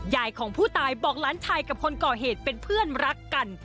ยายของผู้ตายบอกหลานชายกับคนก่อเหตุเป็นเพื่อนรักกัน